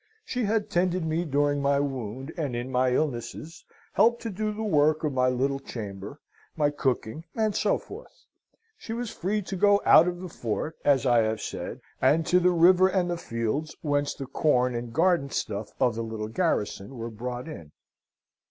She had tended me during my wound and in my illnesses, helped to do the work of my little chamber, my cooking, and so forth. She was free to go out of the fort, as I have said, and to the river and the fields whence the corn and garden stuff of the little garrison were brought in.